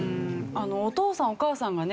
お父さんお母さんがね